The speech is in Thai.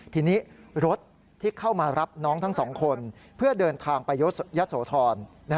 ทีนี้รถที่เข้ามารับน้องทั้งสองคนเพื่อเดินทางไปยะโสธร